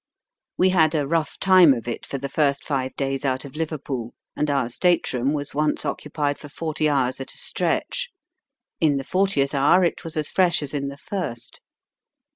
We had a rough time of it for the first five days out of Liverpool, and our state room was once occupied for forty hours at a stretch. In the fortieth hour it was as fresh as in the first.